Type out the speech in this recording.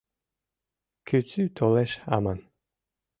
— Кӱтӱ толеш аман.